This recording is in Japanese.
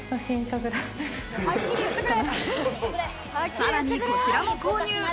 さらに、こちらも購入。